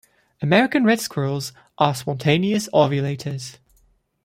American red squirrels are spontaneous ovulators.